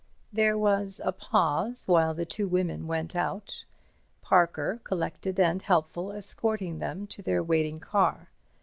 There was a pause, while the two women went out, Parker, collected and helpful, escorting them to their waiting car.